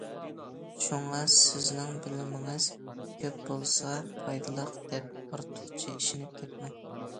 شۇڭا، سىزنىڭ بىلىمىڭىز كۆپ بولسا پايدىلىق دەپ ئارتۇقچە ئىشىنىپ كەتمەڭ.